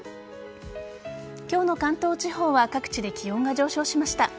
今日の関東地方は各地で気温が上昇しました。